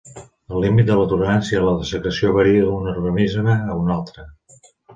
El límit de tolerància a la dessecació varia d'un organisme a un altre.